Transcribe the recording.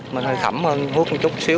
mình hơi khẩm hơn hút một chút xíu